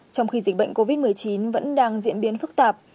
trong khi dịch bệnh covid một mươi chín vẫn đang diễn biến phức tạp